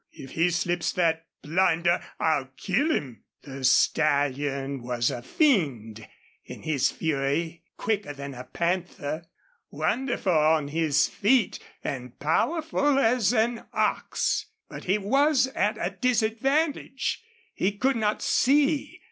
If he slips that blinder I'll kill him!" The stallion was a fiend in his fury, quicker than a panther, wonderful on his feet, and powerful as an ox. But he was at a disadvantage. He could not see.